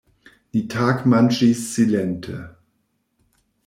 Ni tagmanĝis silente.